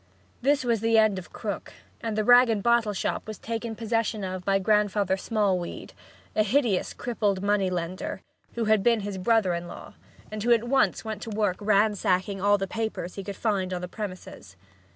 This was the end of Krook, and the rag and bottle shop was taken possession of by Grandfather Smallweed, a hideous, crippled money lender, who had been his brother in law, and who at once went to work ransacking all the papers he could find on the premises.